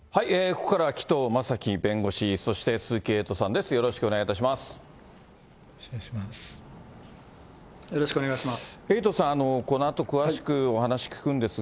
ここからは紀藤正樹弁護士、そして鈴木エイトさんです。